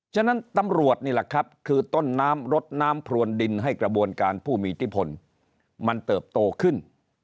ฉะนั้นตำรวจนี่แหละครับคือต้นน้ำรดน้ำพรวนดินให้กระบวนการผู้มีอิทธิพลมันเติบโตขึ้น